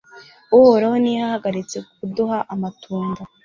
Uhoraho ntiyahagaritse kuduha amatunda